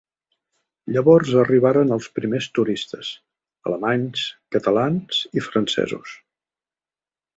Llavors arribaren els primers turistes: alemanys, catalans i francesos.